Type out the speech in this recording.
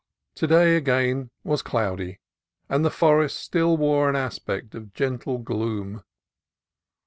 To day again was cloudy, and the forest still wore an aspect of gentle gloom.